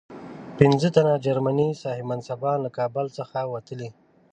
پنځه تنه جرمني صاحب منصبان له کابل څخه وتلي.